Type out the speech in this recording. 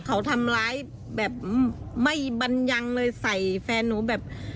เขาทำร้ายแบบไม่บรรยังเลยใส่แฟนหนูแบบ